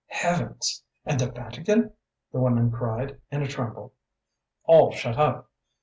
"Heavens! ... And the Vatican?" the women cried, in a tremble. "All shut up.